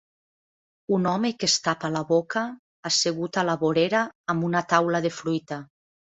Un home que es tapa la boca, assegut a la vorera amb una taula de fruita.